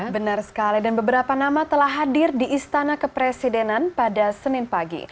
benar sekali dan beberapa nama telah hadir di istana kepresidenan pada senin pagi